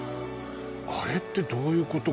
あれってどういうこと？